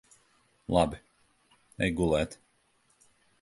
Labi. Ej gulēt.